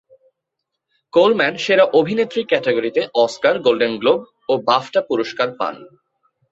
Coleman সেরা অভিনেত্রী ক্যাটাগরিতে অস্কার, গোল্ডেন গ্লোব ও বাফটা পুরস্কার পান।